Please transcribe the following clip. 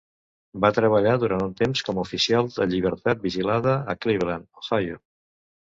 Va treballar durant un temps com a oficial de llibertat vigilada a Cleveland, Ohio.